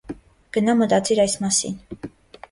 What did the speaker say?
- Գնա մտածիր այս մասին: